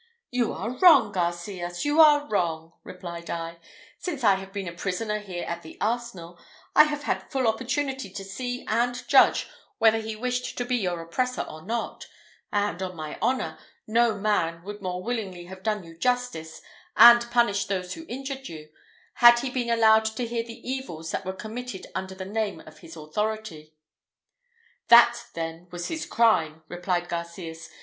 "You are wrong, Garcias! you are wrong!" replied I: "since I have been a prisoner here at the arsenal, I have had full opportunity to see and judge whether he wished to be your oppressor or not; and, on my honour, no man would more willingly have done you justice, and punished those who injured you, had he been allowed to hear the evils that were committed under the name of his authority." "That, then, was his crime!" replied Garcias.